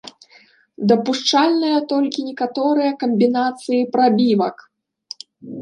Дапушчальныя толькі некаторыя камбінацыі прабівак.